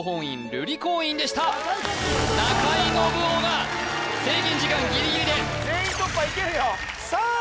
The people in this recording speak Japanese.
瑠璃光院でした中井信郎が制限時間ギリギリで全員突破いけるよさあ